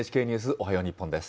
おはよう日本です。